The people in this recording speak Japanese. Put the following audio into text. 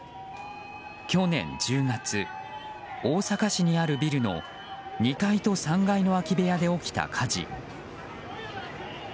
去年１０月、大阪市にあるビルの２階と３階の空き部屋で起きた火事。